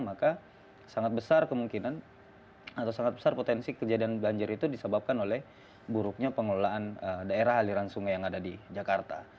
maka sangat besar kemungkinan atau sangat besar potensi kejadian banjir itu disebabkan oleh buruknya pengelolaan daerah aliran sungai yang ada di jakarta